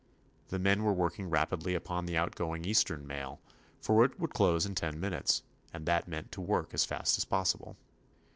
The men were working rapidly upon the outgoing Eastern mail, for it would close in ten minutes, and that meant to work as fast as possible.